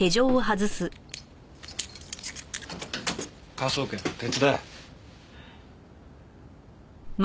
科捜研手伝え。